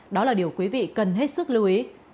đó là điều quý vị cần hết sức lưu ý